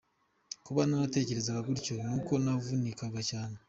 Kuba naratekerezaga gutyo nuko navunikaga cyane”.